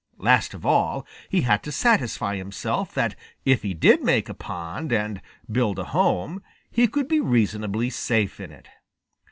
Last of all, he had to satisfy himself that if he did make a pond and build a home, he would be reasonably safe in it.